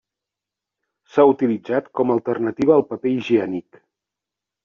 S'ha utilitzat com a alternativa al paper higiènic.